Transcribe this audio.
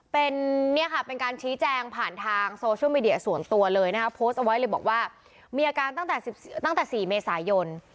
เป็นเนี่ยค่ะเป็นการชี้แจงผ่านทางโซเชียลมีเดียส่วนตัวเลยนะคะโพสต์เอาไว้เลยบอกว่ามีอาการตั้งแต่๔เมษายน